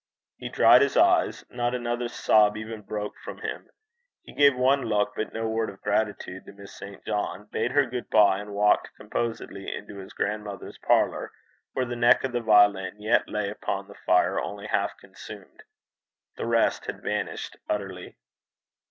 He dried his eyes; not another sob even broke from him; he gave one look, but no word of gratitude, to Miss St. John; bade her good bye; and walked composedly into his grandmother's parlour, where the neck of the violin yet lay upon the fire only half consumed. The rest had vanished utterly.